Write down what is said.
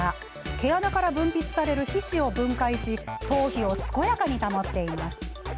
毛穴から分泌される皮脂を分解し頭皮を健やかに保っています。